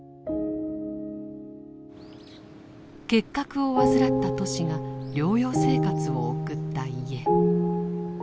結核を患ったトシが療養生活を送った家。